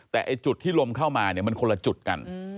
แต่จุดที่ลมเข้ามาเนี่ยมันคนละจุดกัน